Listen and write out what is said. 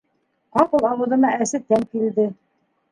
Ҡапыл ауыҙыма әсе тәм килде.